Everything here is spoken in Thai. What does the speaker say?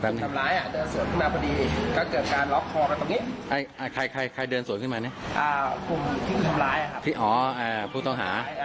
มันก็คือการล๊อคฟอง